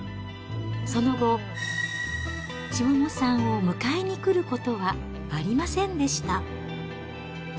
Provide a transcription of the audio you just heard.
その後、千桃さんを迎えに来ることはありませんでした。